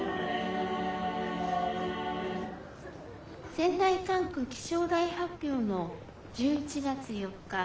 「仙台管区気象台発表の１１月４日午後３時現在の」。